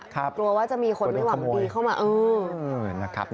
กลัวว่าจะมีคนไม่หวังดีเข้ามา